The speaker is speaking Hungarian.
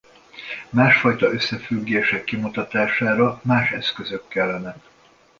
Másfajta összefüggések kimutatására más eszközök kellenek.